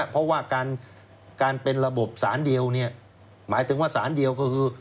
เพราะว่าการเป็นระบบสารเดียวหมายถึงว่าสารเดียวก็คือ